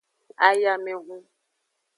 Ayamehun.